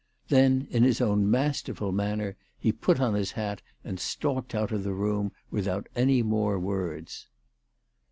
Then in his own masterful manner he put on his hat and stalked out of the room without any more words.